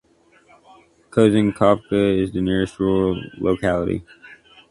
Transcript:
Kozenkovka is the nearest rural locality.